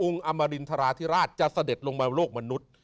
อมรินทราธิราชจะเสด็จลงมาโลกมนุษย์